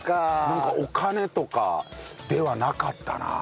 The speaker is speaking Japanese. なんかお金とかではなかったな。